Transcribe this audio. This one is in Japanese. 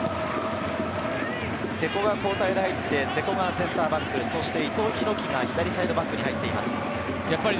瀬古が交代で入って瀬古がセンターバック、伊藤が左サイドバックに入っています。